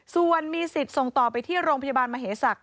ส่วนมีสิทธิ์ส่งต่อไปที่โรงพยาบาลมเหศักดิ